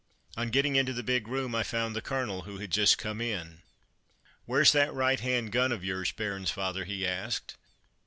On getting into the big room I found the Colonel, who had just come in. "Where's that right hand gun of yours, Bairnsfather?" he asked.